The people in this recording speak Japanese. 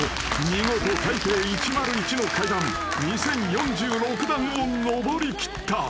見事台北１０１の階段２，０４６段を上りきった］